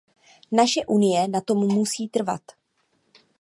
Naše Unie na tom musí trvat.